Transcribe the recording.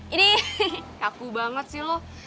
ini kaku banget sih lo